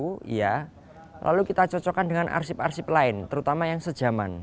kita coba menggunakan pelaku lalu kita cocokkan dengan arsip arsip lain terutama yang sejaman